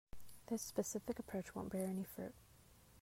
This specific approach won't bear any fruit.